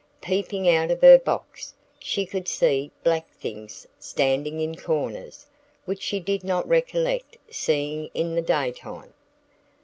Peeping out of her box, she could see black things standing in corners, which she did not recollect seeing in the day time.